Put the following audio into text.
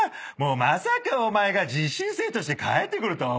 まさかお前が実習生として帰ってくるとは思わなかった。